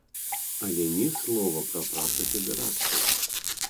Але ні слова пра працу федэрацыі.